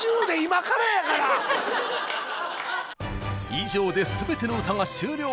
以上で全ての歌が終了。